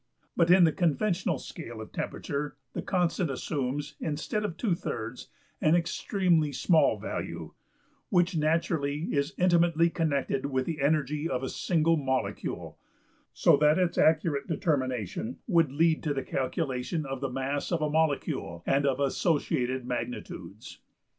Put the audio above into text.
But in the conventional scale of temperature the constant assumes (instead of $\frac$) an extremely small value, which naturally is intimately connected with the energy of a single molecule, so that its accurate determination would lead to the calculation of the mass of a molecule and of associated magnitudes.